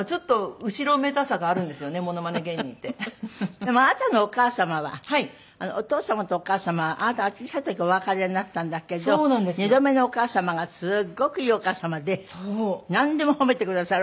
でもあなたのお母様はお父様とお母様はあなたが小さい時お別れになったんだけど２度目のお母様がすごくいいお母様でなんでも褒めてくださるお母様。